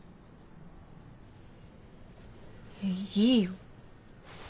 いいよ。